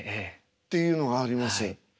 っていうのがあります。